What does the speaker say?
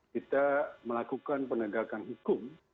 kita melakukan penegakan hukum